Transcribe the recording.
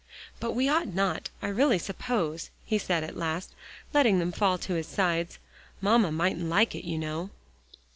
"But we ought not, I really suppose," he said at last, letting them fall to his sides. "Mamma mightn't like it, you know."